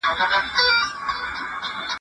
د عصبيت د پيدايښت لپاره مختلف عوامل سته.